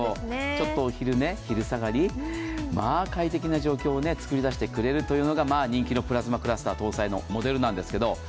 ちょっとお昼寝、昼下がり、快適な状況を作り出してくれるのが人気のプラズマクラスター搭載のモデルなんですけど。